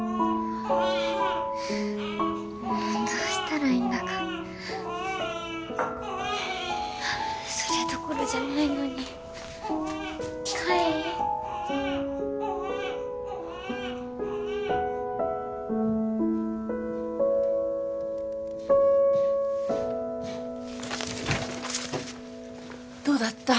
もうどうしたらいいんだかそれどころじゃないのに海どうだった？